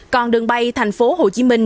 còn đường bay thành phố hồ chí minh